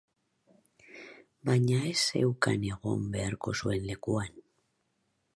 Baina ez zeukan egon beharko zuen lekuan.